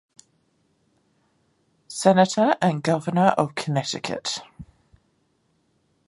Senator and Governor of Connecticut.